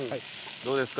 どうですか？